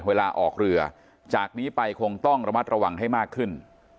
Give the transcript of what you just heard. เวลาออกเรือจากนี้ไปคงต้องระมัดระวังให้มากขึ้น